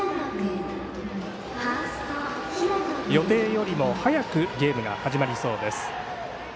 予定よりも早くゲームが始まりそうです。